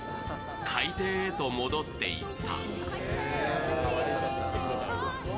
海底へと戻っていった。